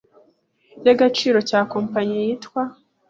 y’agaciro cya Kompanyi yitwa